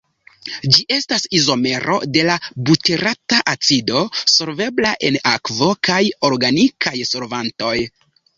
Ĝi estas izomero de la buterata acido, solvebla en akvo kaj organikaj solvantoj.